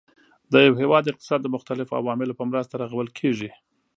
د یو هیواد اقتصاد د مختلفو عواملو په مرسته رغول کیږي.